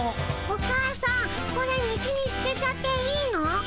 お母さんこれ道にすてちゃっていいの？